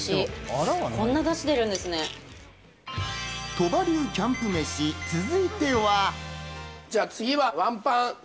鳥羽流キャンプ飯、続いては。